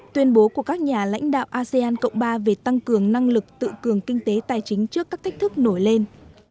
tuyên bố của các nhà lãnh đạo asean cộng ba về tăng cường năng lực tự cường kinh tế tài chính trước các thách thức nổi lên